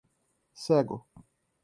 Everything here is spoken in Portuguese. cego